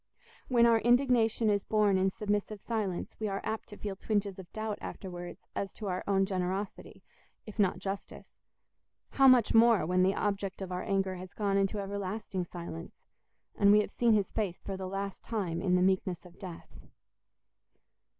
When our indignation is borne in submissive silence, we are apt to feel twinges of doubt afterwards as to our own generosity, if not justice; how much more when the object of our anger has gone into everlasting silence, and we have seen his face for the last time in the meekness of death!